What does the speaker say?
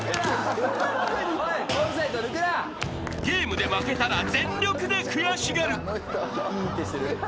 ［ゲームで負けたら全力で悔しがる］